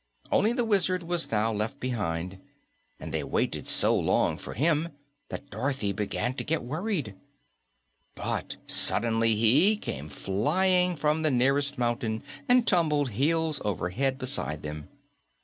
Only the Wizard was now left behind, and they waited so long for him that Dorothy began to be worried. But suddenly he came flying from the nearest mountain and tumbled heels over head beside them.